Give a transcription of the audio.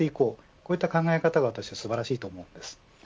こういった考え方は素晴らしいと思います。